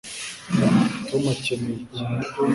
tom akeneye iki